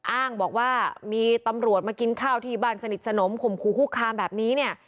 อ้างบอกว่ามีตำรวจมากินข้าวที่บ้านสนิทสนมข่มขู่คุกคามแบบนี้เนี่ย